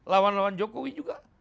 lawan lawan jokowi juga